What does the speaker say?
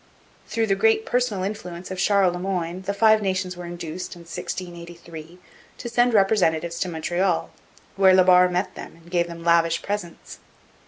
Through the great personal influence of Charles Le Moyne the Five Nations were induced, in 1683, to send representatives to Montreal, where La Barre met them and gave them lavish presents.